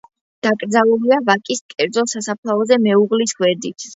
დაკრძალულია ვაკის კერძო სასაფლაოზე მეუღლის გვერდით.